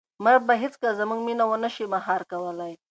مرګ به هیڅکله زموږ مینه ونه شي مهار کولی.